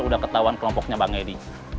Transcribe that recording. udah ketahuan kelompoknya bang edi